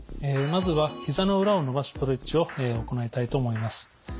まずはひざの裏を伸ばすストレッチを行いたいと思います。